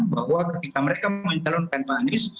bahwa ketika mereka mencalonkan pak anies